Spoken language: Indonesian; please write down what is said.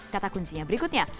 kata kuncinya berikutnya